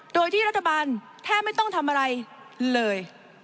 โดยที่รัฐบาลแทบไม่ต้องทำอะไรเลย